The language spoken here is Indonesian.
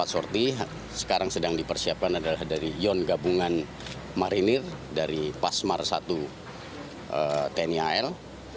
empat sorti sekarang sedang dipersiapkan adalah dari yon gabungan marinir dari pasmar i tni al